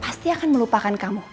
pasti akan melupakan kamu